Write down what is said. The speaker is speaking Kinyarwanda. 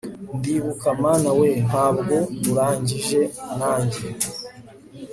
ndibuka, mana we, ntabwo urangije nanjye